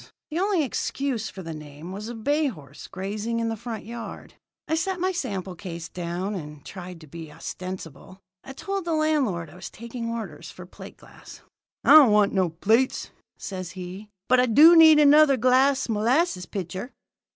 The only excuse for the name was a bay horse grazing in the front yard. I set my sample case down, and tried to be ostensible. I told the landlord I was taking orders for plate glass. "'I don't want no plates,' says he, 'but I do need another glass molasses pitcher.'